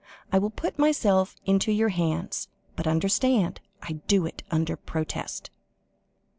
I will put myself into your hands, but, understand, I do it under protest."